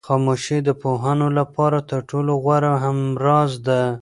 خاموشي د پوهانو لپاره تر ټولو غوره همراز ده.